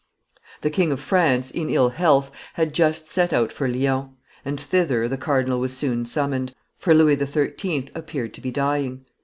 The King of France, in ill health, had just set out for Lyons; and thither the cardinal was soon summoned, for Louis XIII. appeared to be dying.